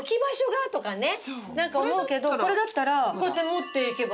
これだったらこうやって持っていけば。